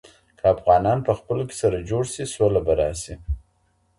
که افغانان په خپلو کي سره جوړ سي سوله به راسي.